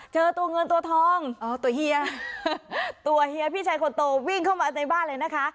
เจอตัวเงินตัวทองอ๋อตัวเฮียตัวเฮียพี่ชายคนโตวิ่งเข้ามาในบ้านเลยนะคะ